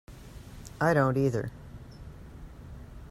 I don't either.